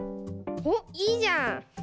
おっいいじゃん。